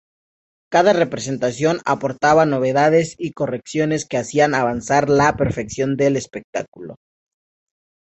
Cada representación aportaba novedades y correcciones que hacían avanzar la perfección del espectáculo.